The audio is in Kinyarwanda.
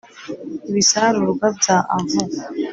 Ibisarurwa bya Avon